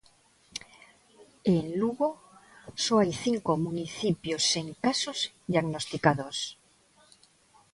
E en Lugo só hai cinco municipios sen casos diagnosticados.